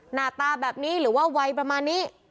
หน้าตาแบบนี้หรือว่าวัยประมาณนี้